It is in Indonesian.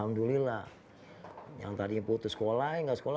yang putus sekolah yang tidak masuk sekolah kami membuat sekolah